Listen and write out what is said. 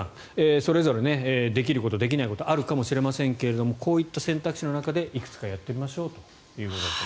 それぞれできることできないことあるかもしれませんがこういった選択肢の中でいくつかやってみましょうということですね。